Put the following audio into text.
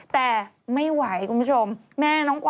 แต่ไม่ไหวคุณผู้ชม